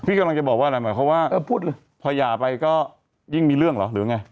พี่กำลังจะบอกว่ามันเพราะว่าพอย่าไปก็ยิ่งมีเรื่องเหรอหรือไง